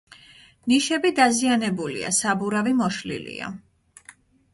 ნიშები დაზიანებულია; საბურავი მოშლილია.